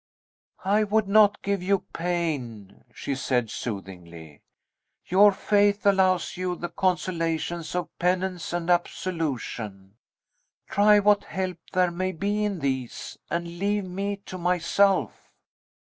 "I would not give you pain," she said, soothingly; "your faith allows you the consolations of penance and absolution. Try what help there may be in these, and leave me to myself."